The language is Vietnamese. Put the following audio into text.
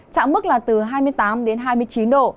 chạm mức là từ hai mươi tám đến hai mươi chín độ